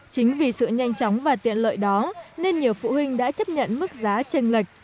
chính vì sự nhanh chóng và tiện lợi đó nên nhiều phụ huynh đã chấp nhận mức giá tranh lệch